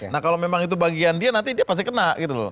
nah kalau memang itu bagian dia nanti dia pasti kena gitu loh